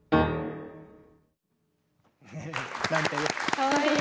かわいい！